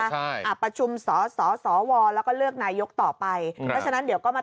ใช่อ่ะประชุมสสวแล้วก็เลือกนายกต่อไปเพราะฉะนั้นเดี๋ยวก็มา